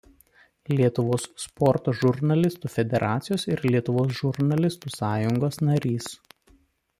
Lietuvos sporto žurnalistų federacijos ir Lietuvos žurnalistų sąjungos narys.